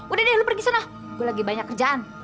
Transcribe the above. udah deh lu pergi sana gue lagi banyak kerjaan